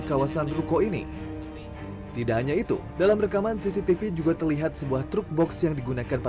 kawasan ruko ini tidak hanya itu dalam rekaman cctv juga terlihat sebuah truk box yang digunakan